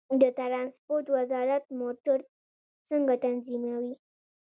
د ترانسپورت وزارت موټر څنګه تنظیموي؟